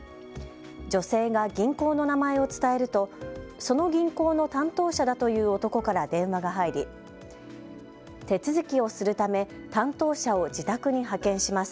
女性が銀行の名前を伝えるとその銀行の担当者だという男から電話が入り、手続きをするため担当者を自宅に派遣します。